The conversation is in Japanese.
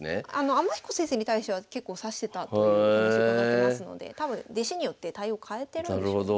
天彦先生に対しては結構指してたという話伺ってますので多分弟子によって対応変えてるんでしょうね。